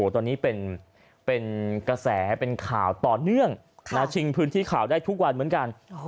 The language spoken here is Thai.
ตอนนี้เป็นกระแสเป็นข่าวต่อเนื่องชิงพื้นที่ข่าวได้ทุกวันเหมือนกัน